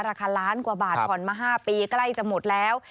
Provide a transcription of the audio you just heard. ราคาล้านกว่าบาทผ่อนมา๕ปีใกล้จะหมดแล้ว